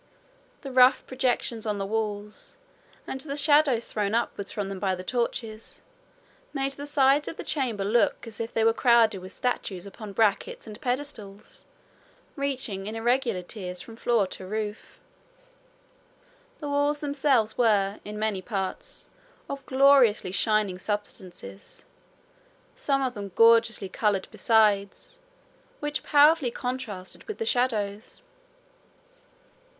The rough projections on the walls, and the shadows thrown upwards from them by the torches, made the sides of the chamber look as if they were crowded with statues upon brackets and pedestals, reaching in irregular tiers from floor to roof. The walls themselves were, in many parts, of gloriously shining substances, some of them gorgeously coloured besides, which powerfully contrasted with the shadows.